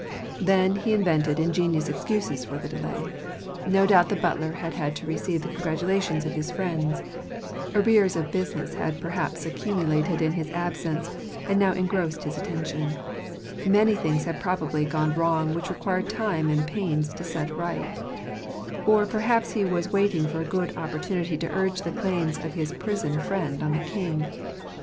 Then he invented ingenious excuses for the delay. No doubt the butler had had to receive the congratulations of his friends; arrears of business had perhaps accumulated in his absence, and now engrossed his attention ; many things had probably gone wrong which required time and pains to set right ; or perhaps he was waiting for a good opportunity to urge the claims of his prison friend on the king.